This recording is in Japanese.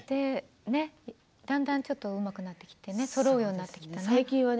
だんだんちょっとうまくなってきてねそろうようになってきたね。